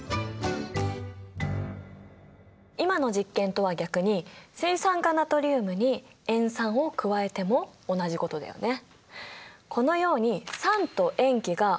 今の実験とは逆に水酸化ナトリウムに塩酸を加えても同じことだよね。